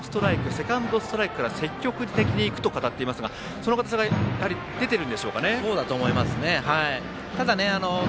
セカンドストライクから積極的にいくと語っていますがその辺が出ているんでしょうかね。